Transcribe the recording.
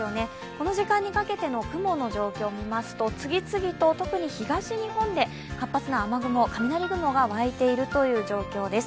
この時間にかけての雲の状況を見ますと、次々と特に東日本で活発な雨雲、雷雲が湧いているという状況です。